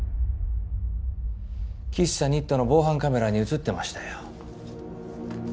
喫茶ニットの防犯カメラに写ってましたよ